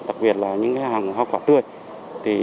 đặc biệt là những hàng hóa quả tươi